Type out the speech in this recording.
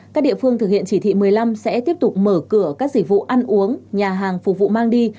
các địa phương thực hiện chỉ thị một mươi năm sẽ tiếp tục mở cửa các dịch vụ ăn uống nhà hàng phục vụ mang đi